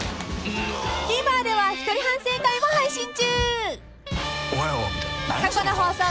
［ＴＶｅｒでは一人反省会も配信中］